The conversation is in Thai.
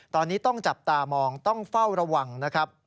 ตอนนี้ต้องจับตามองต้องเฝ้าระวังนะครับ